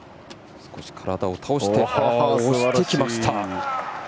少し体を倒して押してきました。